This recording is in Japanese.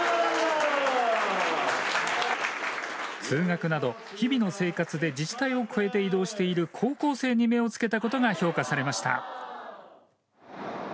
通学など日々の生活で自治体を超えて移動している高校生に目をつけたことが評価されました。